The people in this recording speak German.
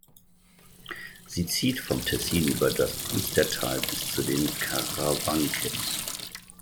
Sie zieht vom Tessin über das Pustertal bis zu den Karawanken.